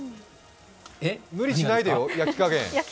無理しないでよ、焼き加減。